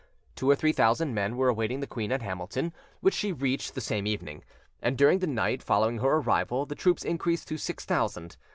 Two or three thousand men were awaiting the queen at Hamilton, which she reached the same evening; and during the night following her arrival the troops increased to six thousand.